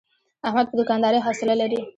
احمد په دوکاندارۍ حوصله لري.